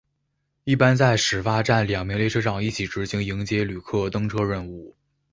一般在始发站两名列车长一起执行迎接旅客登车任务。